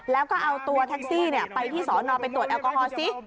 แล้วก็เอาตัวแท็กซี่ไปที่สอนอไปตรวจแอลกอฮอลซิ